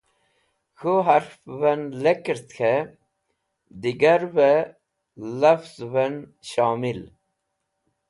K̃hũ harvẽvẽn lekẽrt k̃hẽ digarvẽ lavzẽvẽn shomil.